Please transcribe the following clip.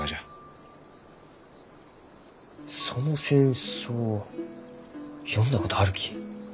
その戦争読んだことあるき。